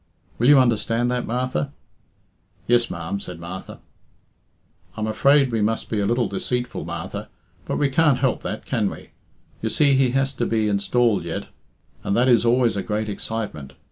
Will you understand that, Martha?" "Yes, ma'am," said Martha. "I'm afraid we must be a little deceitful, Martha. But we can't help that, can we? You see he has to be installed yet, and that is always a great excitement.